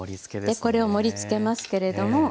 でこれを盛りつけますけれども。